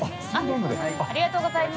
◆ありがとうございます。